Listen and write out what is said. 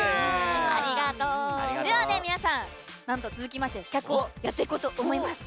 では皆さんなんと続きまして企画をやっていこうと思います。